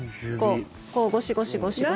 こう、ゴシゴシゴシゴシって。